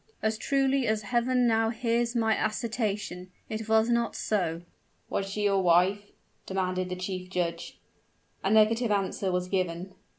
"As truly as Heaven now hears my assertion, it was not so!" "Was she your wife?" demanded the chief judge. A negative answer was given.